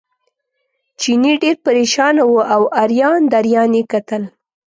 چیني ډېر پرېشانه و او اریان دریان یې کتل.